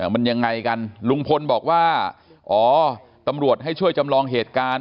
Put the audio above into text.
มันยังไงกันลุงพลบอกว่าอ๋อตำรวจให้ช่วยจำลองเหตุการณ์